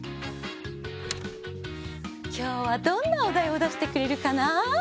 きょうはどんなおだいをだしてくれるかな？